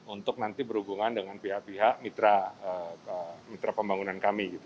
untuk nanti berhubungan dengan pihak pihak mitra pembangunan kami